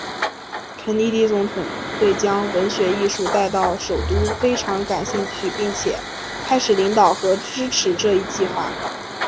肯尼迪总统对将文学艺术带到首都非常感兴趣并且开始领导和支持这一计划。